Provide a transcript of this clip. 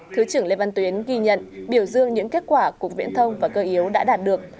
thứ trưởng lê văn tuyến ghi nhận biểu dương những kết quả cục viễn thông và cơ yếu đã đạt được